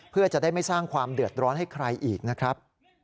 เพื่อจะได้ไม่สร้างความเดือดร้อนให้ใครอีกนะครับ